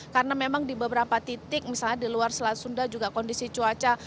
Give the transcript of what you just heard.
karena memang di beberapa titik misalnya di luar selat sunda juga kondisi cuaca